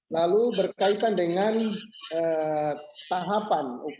lalu berkaitan dengan tahapan